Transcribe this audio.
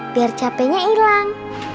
biar capeknya hilang